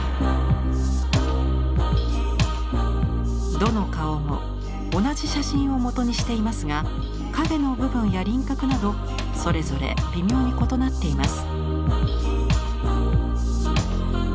どの顔も同じ写真をもとにしていますが影の部分や輪郭などそれぞれ微妙に異なっています。